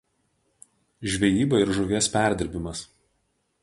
Žvejyba ir žuvies perdirbimas.